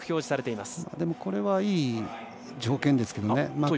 これはいい条件ですけどね。